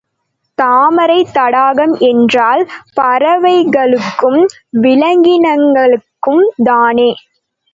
தாமரைத் தடாகம் என்றால் பறவைகளுக்கும் விலங்கினங்களுக்கும்தானா?